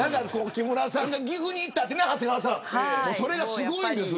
木村さんが岐阜に行ったってね長谷川さん、それがすごいです。